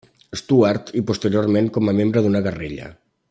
Stuart i posteriorment com a membre d'una guerrilla.